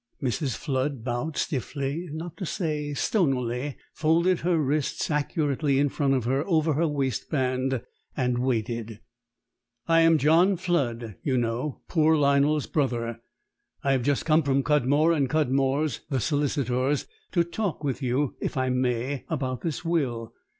Mrs. Flood bowed stiffly, not to say stonily, folded her wrists accurately in front of her, over her waistband, and waited. "I am John Flood, you know poor Lionel's brother. I have just come from Cudmore & Cudmore's, the solicitors, to talk with you, if I may, about this will.